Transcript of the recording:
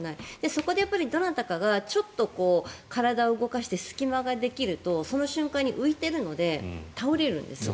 そこでどなたかがちょっと体を動かして隙間ができるとその瞬間に浮いているので倒れるんです。